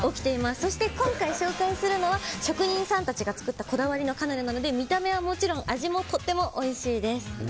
そして今回紹介するのは職人さんたちが作ったこだわりのカヌレなので見た目はもちろん味もとってもおいしいです。